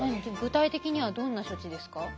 具体的にはどんな処置ですか？